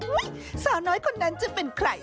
สาวน้อยคนนั้นจะเป็นใคร